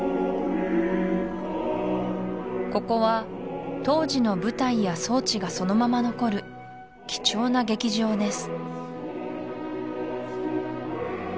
ここは当時の舞台や装置がそのまま残る貴重な劇場です